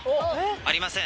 ありません。